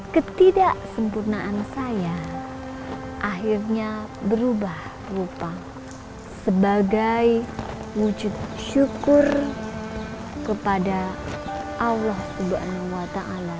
ketidaksempurnaan saya akhirnya berubah rupa sebagai wujud syukur kepada allah swt